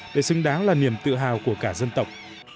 để xứng đáng là niềm tự hào của cả dân tộc